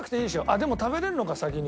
あっでも食べられるのか先に。